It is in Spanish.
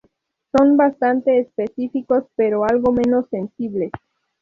Son bastante específicos, pero algo menos sensibles.